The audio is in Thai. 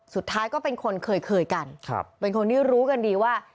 สุดท้ายก็เป็นคนเคยกันเป็นคนที่รู้กันดีว่า